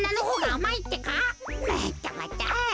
またまた。